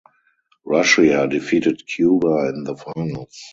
Russia defeated Cuba in the finals.